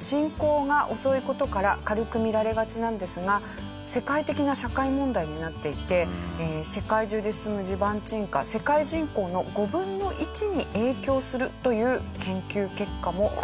進行が遅い事から軽く見られがちなんですが世界的な社会問題になっていて世界中で進む地盤沈下世界人口の５分の１に影響するという研究結果もあるそうなんです。